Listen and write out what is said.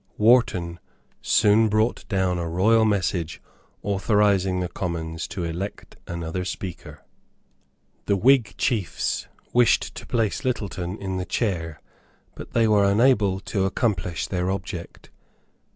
Wharton soon brought down a royal message authorising the Commons to elect another Speaker. The Whig chiefs wished to place Littleton in the chair; but they were unable to accomplish their object.